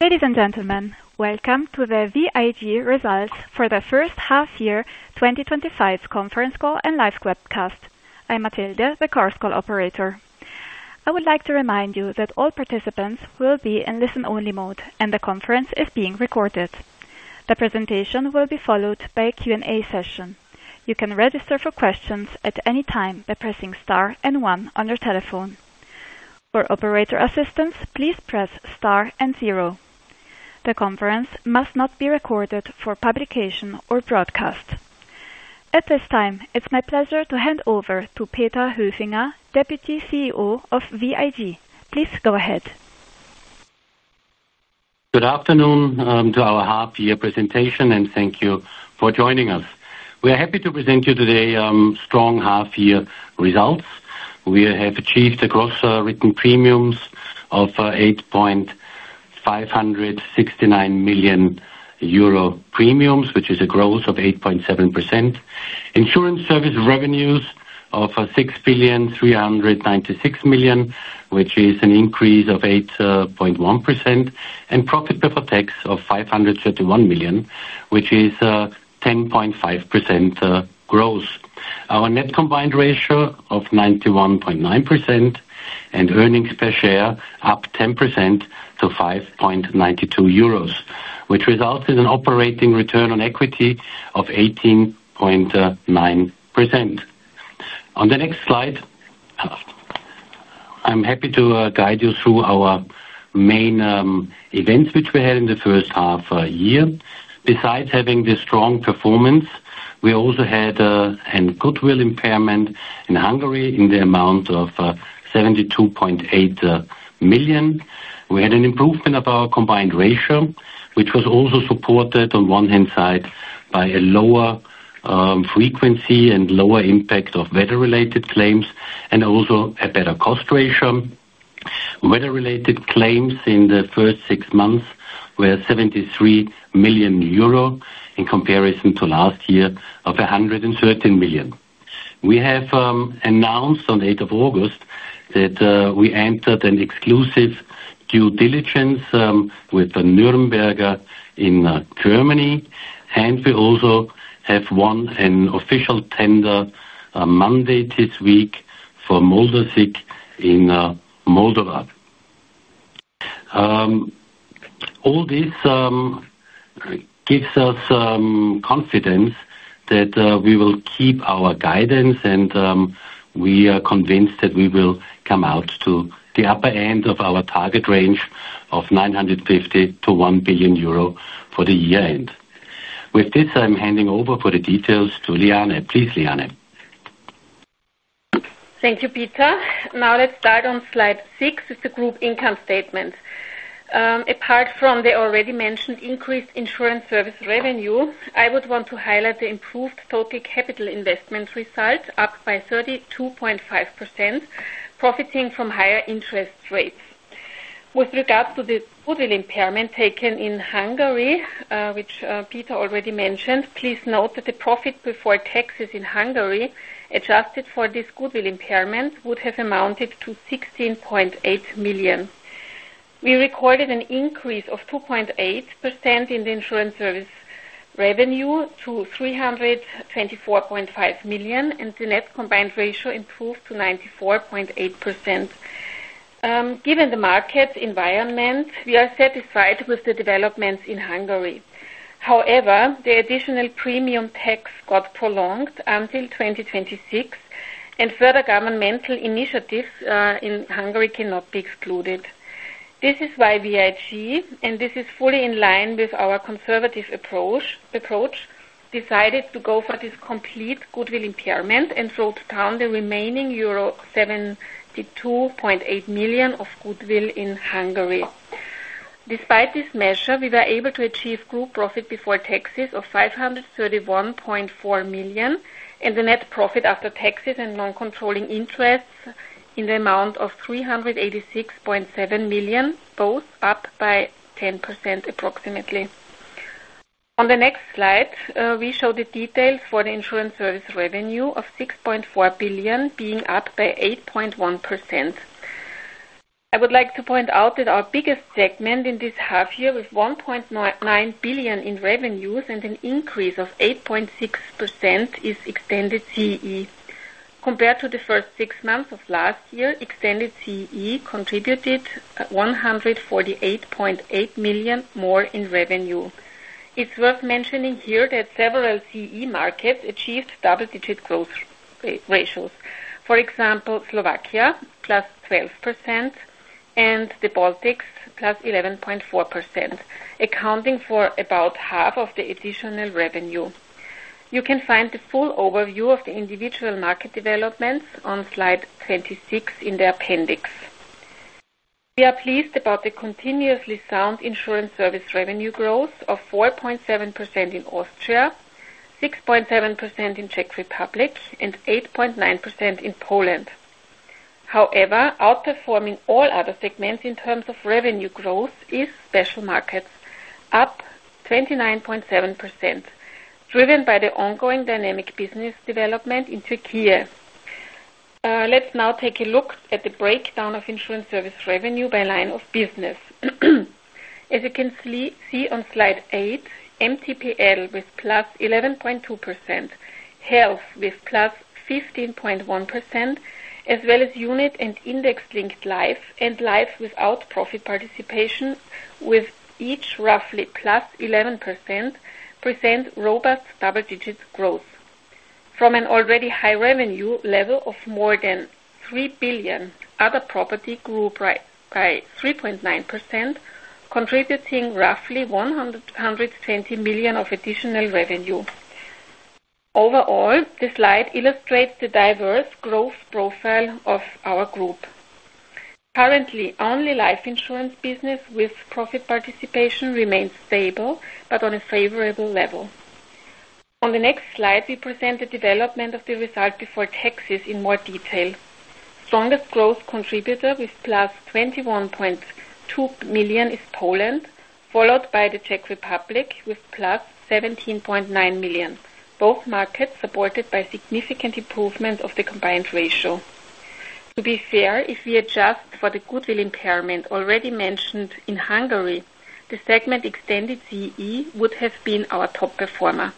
Ladies and gentlemen, welcome to the VIG Results for the First Half-Year 2025 Conference Call and Live Webcast. I'm Matilde, the course call operator. I would like to remind you that all participants will be in listen-only mode, and the conference is being recorded. The presentation will be followed by a Q&A session. You can register for questions at any time by pressing star and one on your telephone. For operator assistance, please press star and zero. The conference must not be recorded for publication or broadcast. At this time, it's my pleasure to hand over to Peter Höfinger, Deputy CEO VIG. Please go ahead. Good afternoon to our half-year presentation, and thank you for joining us. We are happy to present you today strong half-year results. We have achieved a gross written premium of 8.569 million euro, which is a growth of 8.7%. Insurance service revenues of 6.396 million, which is an increase of 8.1%, and profit before tax of 531 million, which is a 10.5% growth. Our net combined ratio of 91.9% and earnings per share up 10% to 5.92 euros, which results in an operating return on equity of 18.9%. On the next slide, I'm happy to guide you through our main events which we had in the first half-year. Besides having this strong performance, we also had a goodwill impairment in Hungary in the amount of 72.8 million. We had an improvement of our combined ratio, which was also supported on one hand side by a lower frequency and lower impact of weather-related claims, and also a better cost ratio. Weather-related claims in the first six months were 73 million euro in comparison to last year of 113 million. We have announced on 8th of August that we entered an exclusive due diligence with NÜRNBERGER n Germany, and we also have won an official tender Monday this week for MOLDASIG in Moldova. All this gives us confidence that we will keep our guidance, and we are convinced that we will come out to the upper end of our target range of 950 million-1 billion euro for the year end. With this, I'm handing over for the details to Liane. Please, Liane. Thank you, Peter. Now let's start on slide six with the group income statement. Apart from the already mentioned increased insurance service revenue, I would want to highlight the improved total capital investment result, up by 32.5%, profiting from higher interest rates. With regards to the goodwill impairment taken in Hungary, which Peter already mentioned, please note that the profit before taxes in Hungary adjusted for this goodwill impairment would have amounted to 16.8 million. We recorded an increase of 2.8% in the insurance service revenue to 324.5 million, and the net combined ratio improved to 94.8%. Given the market environment, we are satisfied with the developments in Hungary. However, the additional premium tax got prolonged until 2026, and further governmental initiatives in Hungary cannot be excluded. This is why VIG, and this is fully in line with our conservative approach, decided to go for this complete goodwill impairment and drove down the remaining euro 72.8 million of goodwill in Hungary. Despite this measure, we were able to achieve group profit before taxes of 531.4 million, and the net profit after taxes and non-controlling interests in the amount of 386.7 million, both up by approximately 10%. On the next slide, we show the details for the insurance service revenue of 6.4 billion being up by 8.1%. I would like to point out that our biggest segment in this half-year with 1.9 billion in revenues and an increase of 8.6% is extended CE. Compared to the first six months of last year, extended CE contributed 148.8 million more in revenue. It's worth mentioning here that several CE markets achieved double-digit growth ratios. For example, Slovakia +12% and the Baltics +11.4%, accounting for about half of the additional revenue. You can find the full overview of the individual market developments on slide 26 in the appendix. We are pleased about the continuously sound insurance service revenue growth of 4.7% in Austria, 6.7% in Czech Republic, and 8.9% in Poland. However, outperforming all other segments in terms of revenue growth is special markets, up 29.7%, driven by the ongoing dynamic business development into Kiev. Let's now take a look at the breakdown of insurance service revenue by line of business. As you can see on slide eight, motor vehicle liability insurance with plus 11.2%, health insurance with +15.1%, as well as unit and index-linked life insurance and life insurance without profit participation with each roughly +11%, present robust double-digit growth. From an already high revenue level of more than 3 billion, other property grew by 3.9%, contributing roughly 120 million of additional revenue. Overall, this slide illustrates the diverse growth profile of our group. Currently, only life insurance business with profit participation remains stable, but on a favorable level. On the next slide, we present the development of the result before taxes in more detail. Strongest growth contributor with +21.2 million is Poland, followed by the Czech Republic with +17.9 million. Both markets supported by significant improvements of the combined ratio. To be fair, if we adjust for the goodwill impairment already mentioned in Hungary, the segment extended Central and Eastern Europe would have been our top performer.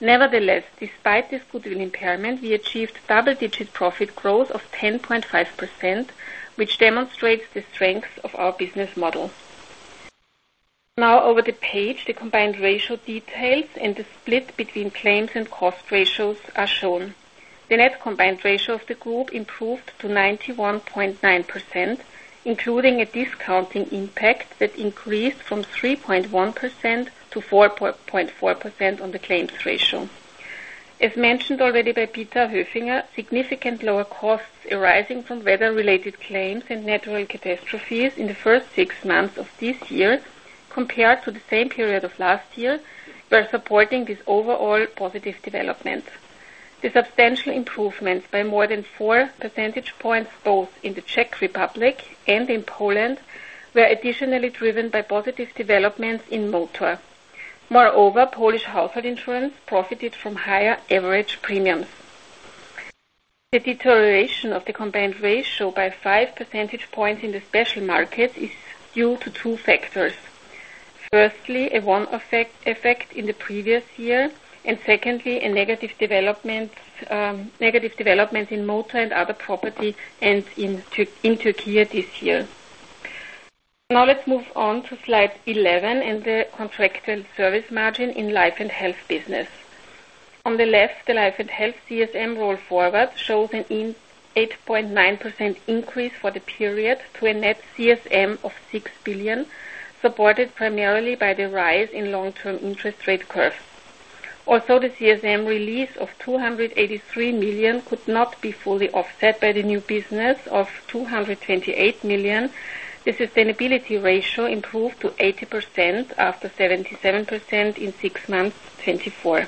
Nevertheless, despite this goodwill impairment, we achieved double-digit profit growth of 10.5%, which demonstrates the strengths of our business model. Now, over the page, the combined ratio details and the split between claims and cost ratios are shown. The net combined ratio of the group improved to 91.9%, including a discounting impact that increased from 3.1%-4.4% on the claims ratio. As mentioned already by Peter Höfinger, significant lower costs arising from weather-related claims and natural catastrophes in the first six months of this year, compared to the same period of last year, were supporting this overall positive development. The substantial improvements by more than four percentage points, both in the Czech Republic and in Poland, were additionally driven by positive developments in motor. Moreover, Polish household insurance profited from higher average premiums. The deterioration of the combined ratio by five percentage points in the special markets is due to two factors. Firstly, a one-off effect in the previous year, and secondly, a negative development in motor and other property and in Turkey this year. Now let's move on to slide 11 and the contractual service margin in life and health business. On the left, the life and health CSM roll forward shows an 8.9% increase for the period to a net CSM of 6 billion, supported primarily by the rise in long-term interest rate curve. Also, the CSM release of 283 million could not be fully offset by the new business of 228 million. The sustainability ratio improved to 80% after 77% in six months 2024.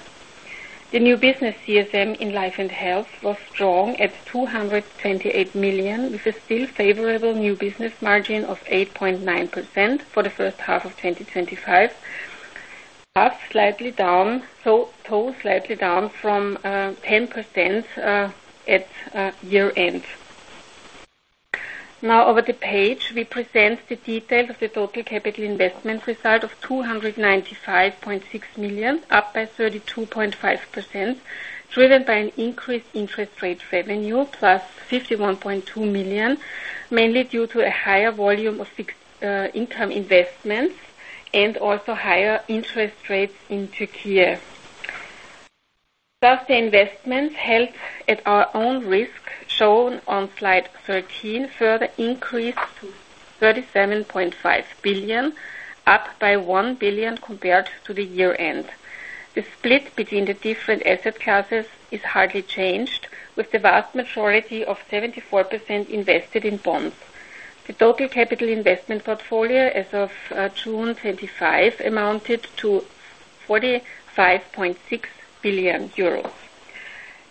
The new business CSM in life and health was strong at 228 million, with a still favorable new business margin of 8.9% for the first half of 2025, slightly down from 10% at year-end. Now, over the page, we present the details of the total capital investment result of 295.6 million, up by 32.5%, driven by an increased interest rate revenue +51.2 million, mainly due to a higher volume of income investments and also higher interest rates in Turkey. The investments held at our own risk, shown on slide 13, further increased to 37.5 billion, up by 1 billion compared to the year-end. The split between the different asset classes is hardly changed, with the vast majority of 74% invested in bonds. The total capital investment portfolio as of June 2025 amounted to 45.6 billion euros.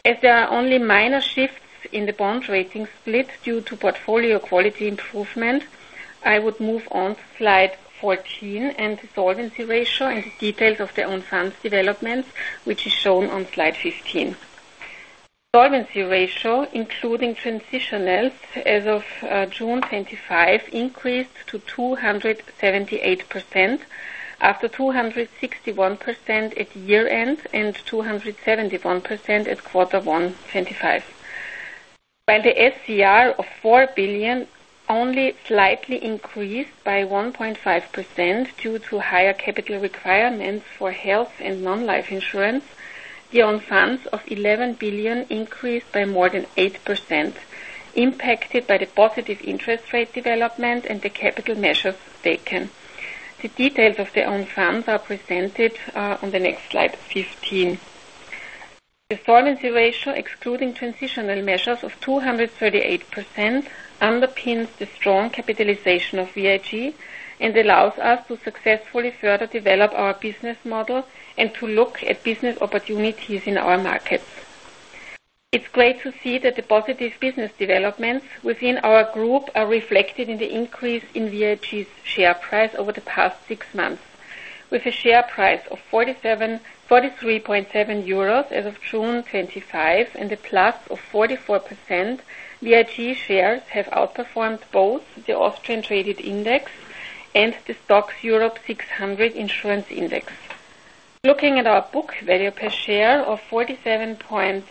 As there are only minor shifts in the bonds rating split due to portfolio quality improvement, I would move on to slide 14 and the solvency ratio and the details of the own funds developments, which is shown on slide 15. Solvency ratio, including transitionals, as of June 2025 increased to 278% after 261% at year-end and 271% at quarter one 2025. While the SCR of 4 billion only slightly increased by 1.5% due to higher capital requirements for health and non-life insurance, the own funds of 11 billion increased by more than 8%, impacted by the positive interest rate development and the capital measures taken. The details of the own funds are presented on the next slide 15. The solvency ratio, excluding transitional measures of 238%, underpins the strong VIG and allows us to successfully further develop our business model and to look at business opportunities in our markets. It's great to see that the positive business developments within our group are reflected in the VIG's share price over the past six months. With a share price of 47.7 euros as of June 2025 and a plus of 44%, VIG shares have outperformed both the Austrian Traded Index and the STOXX Europe 600 Insurance Index. Looking at our book value per share of 47.26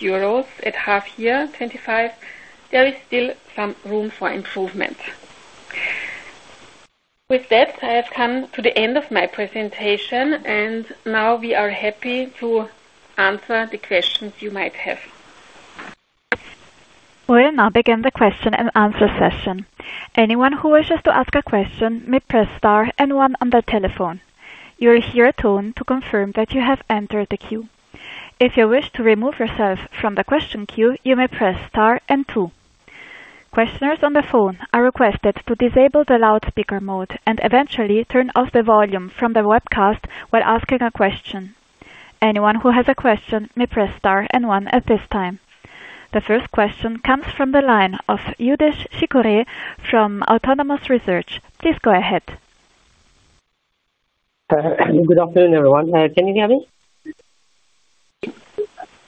euros at half year 2025, there is still some room for improvement. With that, I have come to the end of my presentation, and now we are happy to answer the questions you might have. We'll now begin the question-and-answer session. Anyone who wishes to ask a question may press star and one on the telephone. You'll hear a tone to confirm that you have entered the queue. If you wish to remove yourself from the question queue, you may press star and two. Questioners on the phone are requested to disable the loudspeaker mode and eventually turn off the volume from the webcast while asking a question. Anyone who has a question may press star and one at this time. The first question comes from the line of Youdish Chicooree from Autonomous Research. Please go ahead. Good afternoon, everyone. Can you hear me?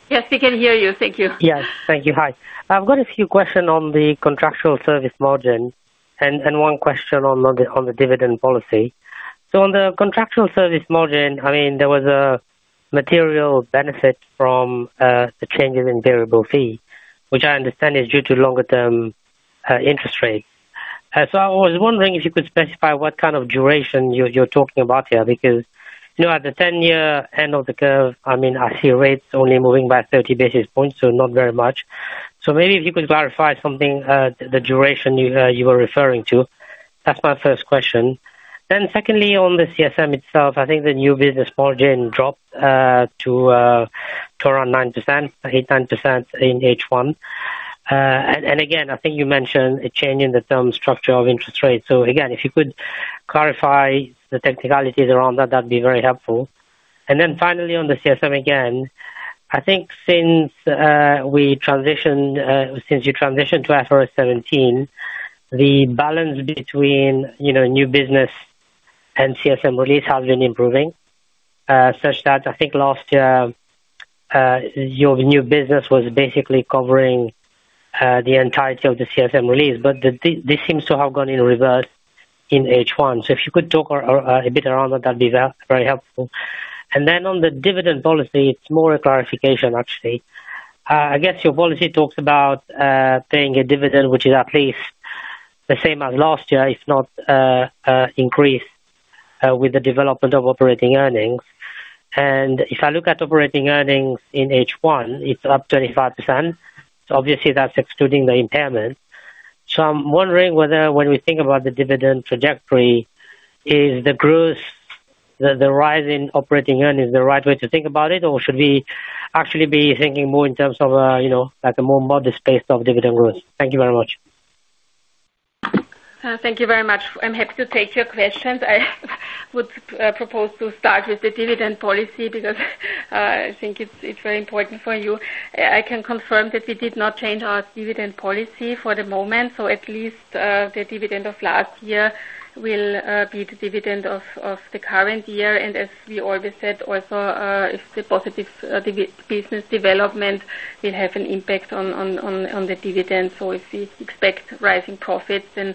Yes, we can hear you. Thank you. Yes, thank you. Hi. I've got a few questions on the contractual service margin and one question on the dividend policy. On the contractual service margin, there was a material benefit from the changes in variable fee, which I understand is due to longer-term interest rate. I was wondering if you could specify what kind of duration you're talking about here because, you know, at the 10-year end of the curve, I see rates only moving by 30 basis points, so not very much. Maybe if you could clarify something, the duration you were referring to, that's my first question. Secondly, on the CSM itself, I think the new business margin dropped to around 9%, 8%-9% in H1. I think you mentioned a change in the term structure of interest rate. If you could clarify the technicalities around that, that'd be very helpful. Finally, on the CSM again, I think since you transitioned to IFRS 17, the balance between new business and CSM release has been improving, such that I think last year your new business was basically covering the entirety of the CSM release, but this seems to have gone in reverse in H1. If you could talk a bit around that, that'd be very helpful. On the dividend policy, it's more a clarification, actually. I guess your policy talks about paying a dividend, which is at least the same as last year, if not increased with the development of operating earnings. If I look at operating earnings in H1, it's up 25%. Obviously, that's excluding the impairment. I'm wondering whether when we think about the dividend trajectory, is the growth, the rise in operating earnings, the right way to think about it, or should we actually be thinking more in terms of, you know, like a more modest pace of dividend growth? Thank you very much. Thank you very much. I'm happy to take your questions. I would propose to start with the dividend policy because I think it's very important for you. I can confirm that we did not change our dividend policy for the moment. At least the dividend of last year will be the dividend of the current year. As we always said, also if the positive business development will have an impact on the dividend. If we expect rising profits, then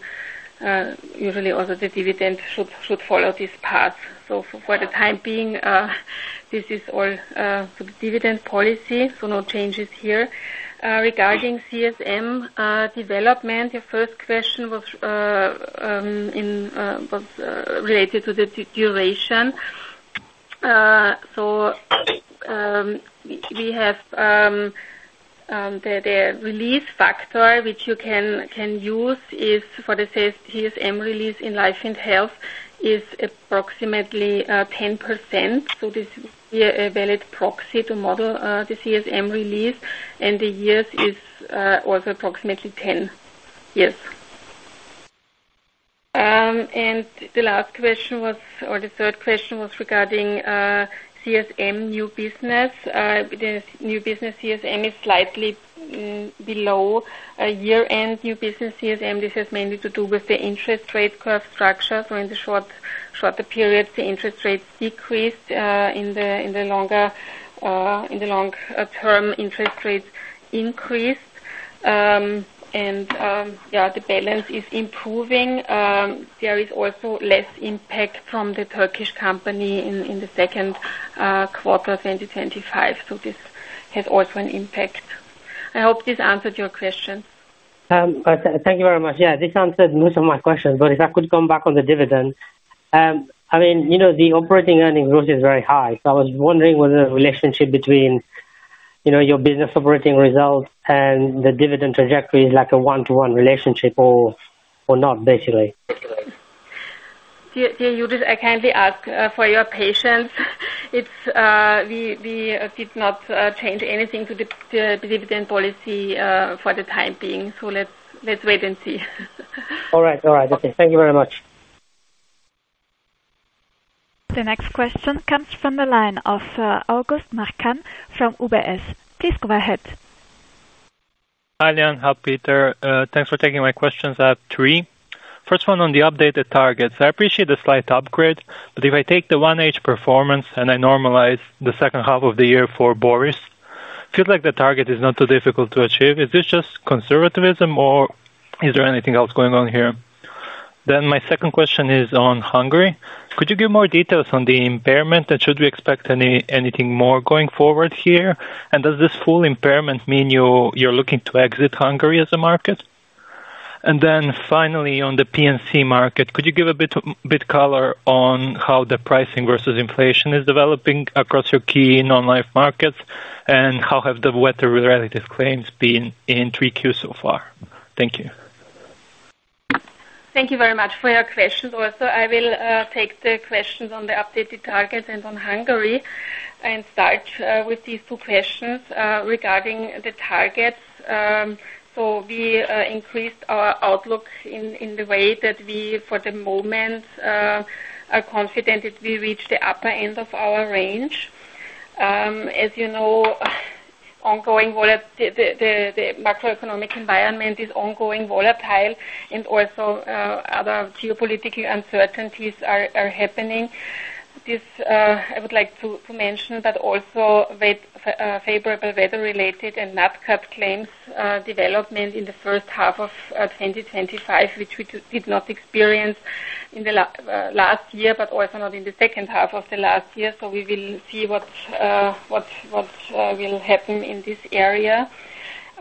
usually also the dividend should follow this path. For the time being, this is all for the dividend policy, so no changes here. Regarding CSM development, your first question was related to the duration. We have the release factor, which you can use for the CSM release in life and health, is approximately 10%. This would be a valid proxy to model the CSM release, and the years is also approximately 10 years. The last question was, or the third question was regarding CSM new business. The new business CSM is slightly below a year-end new business CSM. This has mainly to do with the interest rate curve structure. In the shorter periods, the interest rates decreased. In the longer term, interest rates increased. The balance is improving. There is also less impact from the Turkish company in the second quarter of 2025. This has also an impact. I hope this answered your question. Thank you very much. This answered most of my questions, but if I could come back on the dividend, I mean, you know, the operating earning growth is very high. I was wondering whether the relationship between your business operating results and the dividend trajectory is like a one-to-one relationship or not, basically. Dear Youdish, I kindly ask for your patience. We did not change anything to the dividend policy for the time being. Let's wait and see. All right. Okay. Thank you very much. The next question comes from the line of August Marčan from UBS. Please go ahead. Hi Liane, hi Peter. Thanks for taking my questions. I have three. First one on the updated targets. I appreciate the slight upgrade, but if I take the 1H performance and I normalize the second half of the year for Boris, it feels like the target is not too difficult to achieve. Is this just conservatism or is there anything else going on here? My second question is on Hungary. Could you give more details on the impairment and should we expect anything more going forward here? Does this full goodwill impairment mean you're looking to exit Hungary as a market? Finally, on the P&C market, could you give a bit of color on how the pricing versus inflation is developing across your key non-life markets and how have the weather-related claims been in 3Q so far? Thank you. Thank you very much for your question. Also, I will take the questions on the updated targets and on Hungary and start with these two questions regarding the targets. We increased our outlook in the way that we, for the moment, are confident that we reached the upper end of our range. As you know, the macroeconomic environment is ongoing volatile and also other geopolitical uncertainties are happening. This, I would like to mention, but also favorable weather-related and not cut claims development in the first half of 2025, which we did not experience in the last year, but also not in the second half of the last year. We will see what will happen in this area.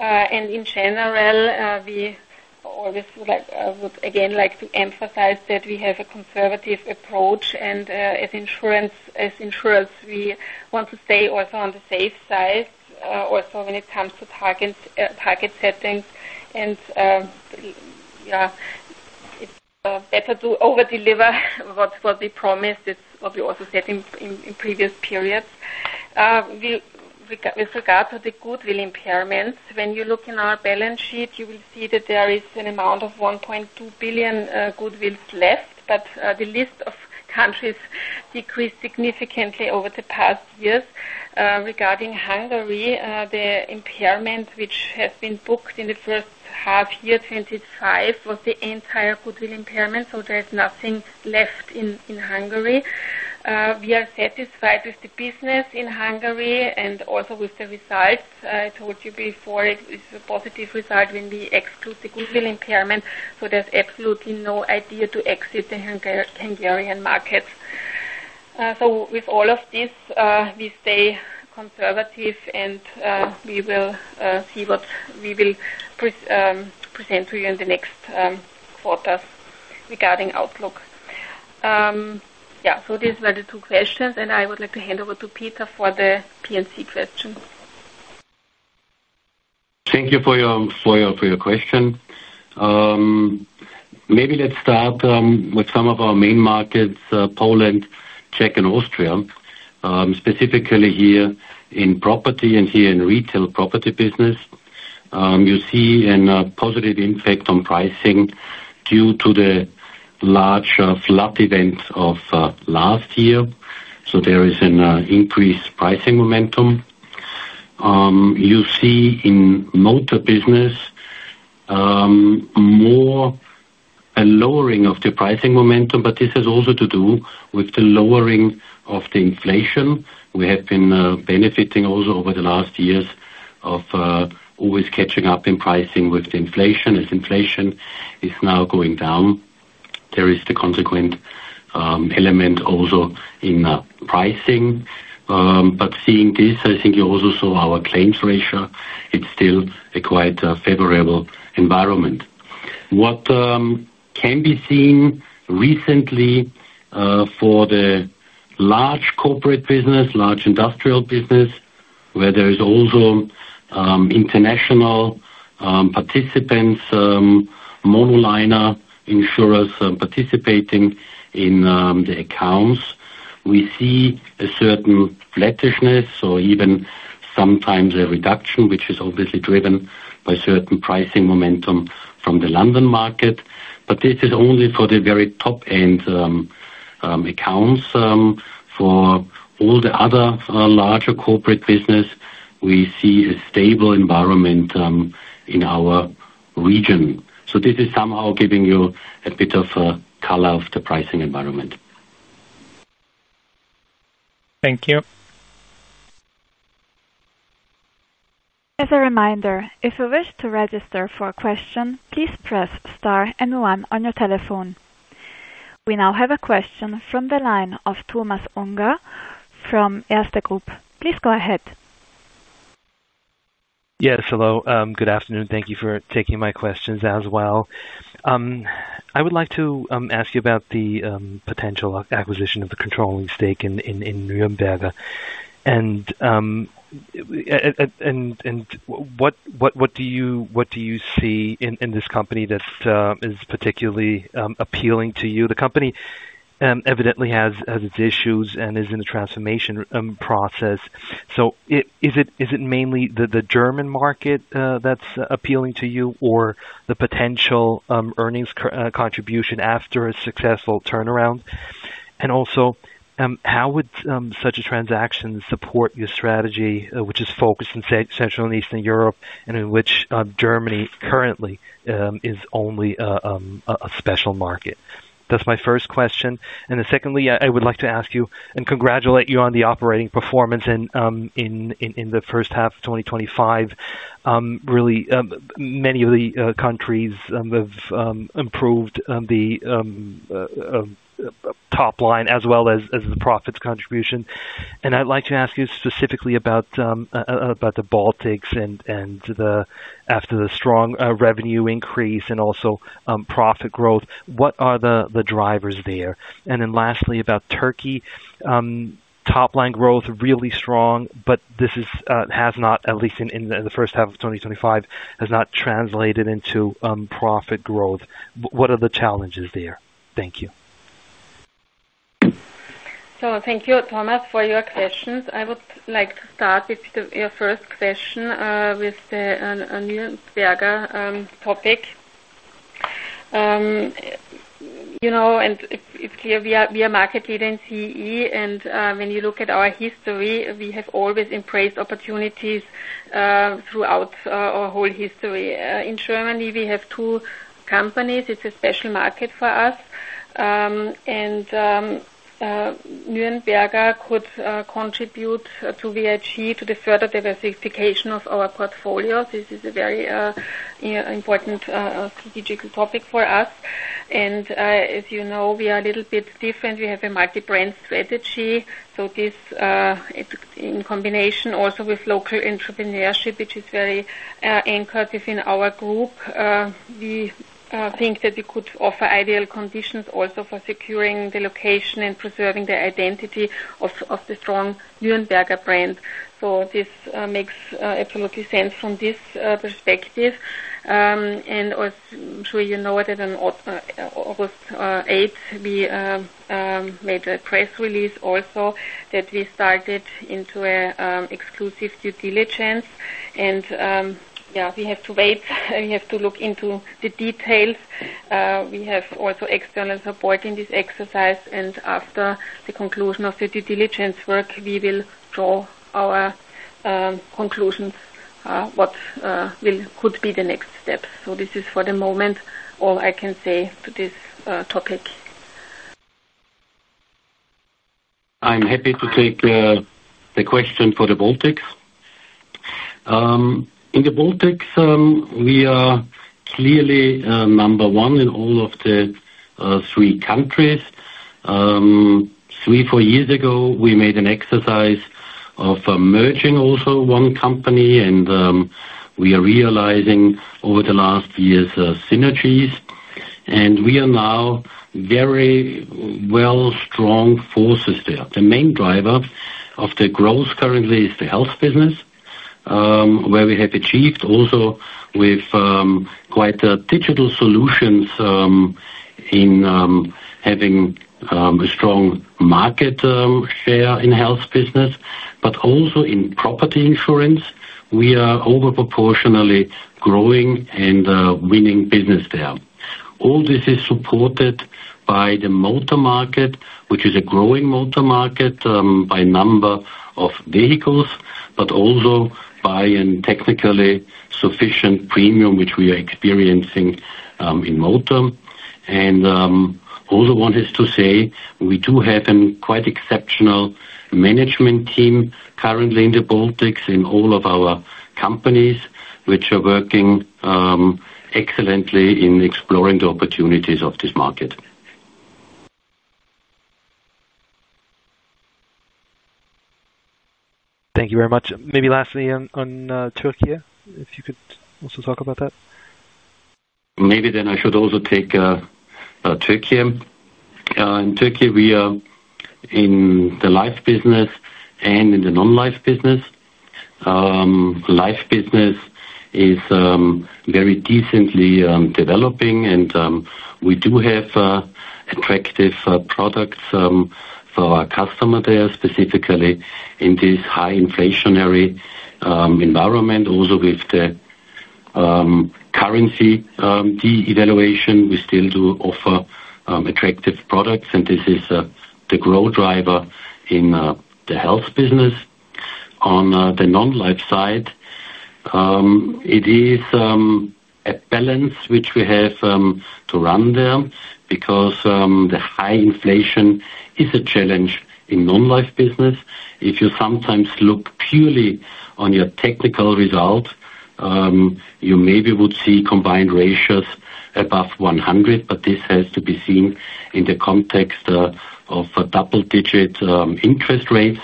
In general, we always would again like to emphasize that we have a conservative approach and as insurance, we want to stay also on the safe side, also when it comes to target settings. It's better to overdeliver what we promised. It's what we also said in previous periods. With regards to the goodwill impairments, when you look in our balance sheet, you will see that there is an amount of 1.2 billion goodwills left, but the list of countries decreased significantly over the past years. Regarding Hungary, the impairment which has been booked in the first half year 2025 was the entire goodwill impairment. There's nothing left in Hungary. We are satisfied with the business in Hungary and also with the results. I told you before, it is a positive result when we exclude the goodwill impairment. There's absolutely no idea to exit the Hungarian market. With all of this, we stay conservative and we will see what we will present to you in the next quarters regarding outlook. These were the two questions, and I would like to hand over to Peter for the P&C question. Thank you for your question. Maybe let's start with some of our main markets, Poland, Czech, and Austria, specifically here in property and here in retail property business. You see a positive impact on pricing due to the large flood event of last year. There is an increased pricing momentum. You see in motor business more a lowering of the pricing momentum, but this is also to do with the lowering of the inflation. We have been benefiting also over the last years of always catching up in pricing with the inflation. As inflation is now going down, there is the consequent element also in pricing. Seeing this, I think you also saw our claims ratio. It's still a quite favorable environment. What can be seen recently for the large corporate business, large industrial business, where there is also international participants, mono-liner insurers participating in the accounts, we see a certain letterness or even sometimes a reduction, which is obviously driven by certain pricing momentum from the London market. This is only for the very top-end accounts. For all the other larger corporate business, we see a stable environment in our region. This is somehow giving you a bit of a color of the pricing environment. Thank you. As a reminder, if you wish to register for a question, please press star and one on your telephone. We now have a question from the line of Thomas Unger from Erste Group. Please go ahead. Yes, hello. Good afternoon. Thank you for taking my questions as well. I would like to ask you about the potential acquisition of the controlling stake in NÜRNBERGER. What do you see in this company that is particularly appealing to you? The company evidently has its issues and is in a transformation process. Is it mainly the German market that's appealing to you or the potential earnings contribution after a successful turnaround? Also, how would such a transaction support your strategy, which is focused in Central and Eastern Europe and in which Germany currently is only a special market? That's my first question. Secondly, I would like to ask you and congratulate you on the operating performance in the first half of 2025. Really, many of the countries have improved the top line as well as the profits contribution. I'd like to ask you specifically about the Baltics and after the strong revenue increase and also profit growth, what are the drivers there? Lastly, about Turkey, top line growth really strong, but this has not, at least in the first half of 2025, translated into profit growth. What are the challenges there? Thank you. Thank you, Thomas, for your questions. I would like to start with your first question with the NÜRNBERGER topic. You know, we are market leading in Central and Eastern Europe, and when you look at our history, we have always embraced opportunities throughout our whole history. In Germany, we have two companies. It's a special market for us. NÜRNBERGER could contribute VIG to the further diversification of our portfolio. This is a very important strategic topic for us. As you know, we are a little bit different. We have a multi-brand strategy. This, in combination also with local entrepreneurship, which is very anchored within our group, we think that we could offer ideal conditions also for securing the location and preserving the identity of the strong NÜRNBERGER brand. This makes absolute sense from this perspective. I'm sure you know that on August 8, we made a press release also that we started into an exclusive due diligence. We have to wait. We have to look into the details. We have also external support in this exercise. After the conclusion of the due diligence work, we will draw our conclusions what could be the next steps. This is for the moment all I can say to this topic. I'm happy to take the question for the Baltics. In the Baltics, we are clearly number one in all of the three countries. Three or four years ago, we made an exercise of merging also one company, and we are realizing over the last years' synergies. We are now very well-strong forces there. The main driver of the growth currently is the health business, where we have achieved also with quite digital solutions in having a strong market share in health business. Also, in property insurance, we are over proportionately growing and winning business there. All this is supported by the motor market, which is a growing motor market by number of vehicles, but also by a technically sufficient premium which we are experiencing in motor. One has to say, we do have a quite exceptional management team currently in the Baltics in all of our companies, which are working excellently in exploring the opportunities of this market. Thank you very much. Maybe lastly, on Turkey, if you could also talk about that. Maybe then I should also take Turkey. In Turkey, we are in the life business and in the non-life business. Life business is very decently developing, and we do have attractive products for our customer there, specifically in this high inflationary environment. Also, with the currency devaluation, we still do offer attractive products, and this is the growth driver in the health business. On the non-life side, it is a balance which we have to run there because the high inflation is a challenge in non-life business. If you sometimes look purely on your technical result, you maybe would see combined ratios above 100%, but this has to be seen in the context of double-digit interest rates,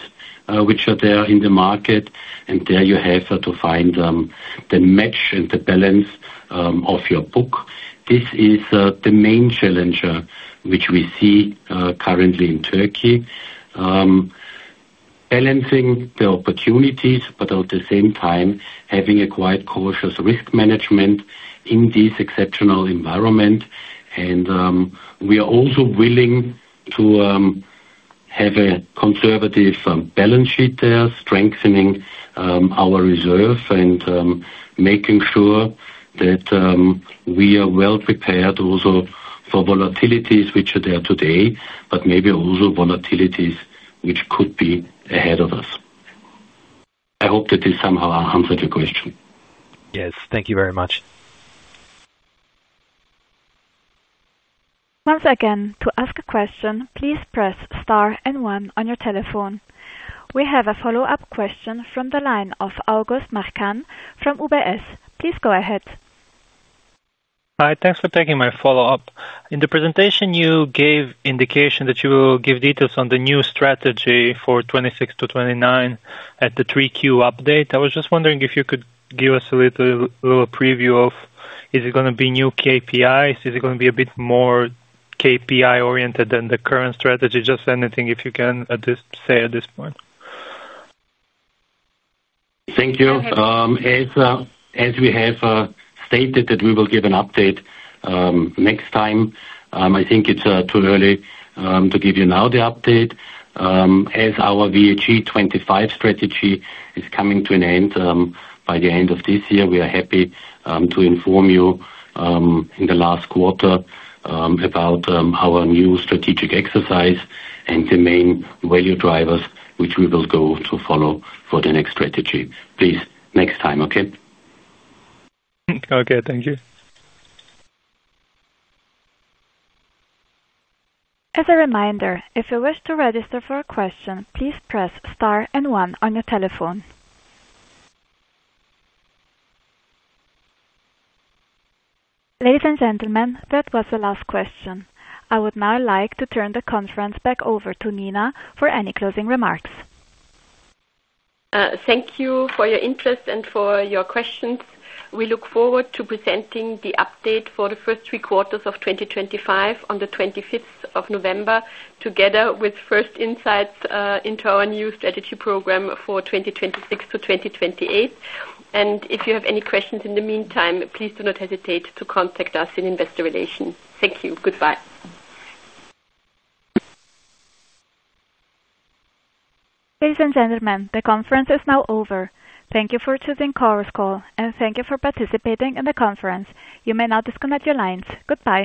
which are there in the market. There you have to find the match and the balance of your book. This is the main challenge which we see currently in Turkey, balancing the opportunities, but at the same time, having a quite cautious risk management in this exceptional environment. We are also willing to have a conservative balance sheet there, strengthening our reserves and making sure that we are well prepared also for volatilities which are there today, but maybe also volatilities which could be ahead of us. I hope that this somehow answered your question. Yes, thank you very much. Once again, to ask a question, please press star and one on your telephone. We have a follow-up question from the line of August Marčan from UBS. Please go ahead. Hi, thanks for taking my follow-up. In the presentation, you gave indication that you will give details on the new strategy for 2026-2029 at the 3Q update. I was just wondering if you could give us a little preview of, is it going to be new KPIs? Is it going to be a bit more KPI-oriented than the current strategy? Just anything if you can say at this point. Thank you. As we have stated that we will give an update next time, I think it's too early to give you now the update. As our VIG 25 strategy is coming to an end by the end of this year, we are happy to inform you in the last quarter about our new strategic exercise and the main value drivers which we will go to follow for the next strategy. Please next time, okay? Okay, thank you. As a reminder, if you wish to register for a question, please press star and one on your telephone. Ladies and gentlemen, that was the last question. I would now like to turn the conference back over to Nina for any closing remarks. Thank you for your interest and for your questions. We look forward to presenting the update for the first three quarters of 2025 on the 25th of November, together with first insights into our new strategic program for 2026-2028. If you have any questions in the meantime, please do not hesitate to contact us in Investor Relations. Thank you. Goodbye. Ladies and gentlemen, the conference is now over. Thank you for choosing Coursecall and thank you for participating in the conference. You may now disconnect your lines. Goodbye.